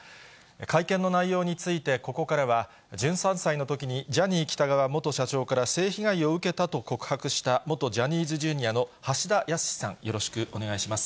会見の内容について、ここからは、１３歳のときにジャニー喜多川元社長から性被害を受けたと告白した元ジャニーズＪｒ．の橋田康さん、よろしくお願いします。